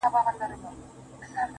درته ښېرا كومه.